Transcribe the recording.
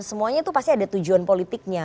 semuanya itu pasti ada tujuan politiknya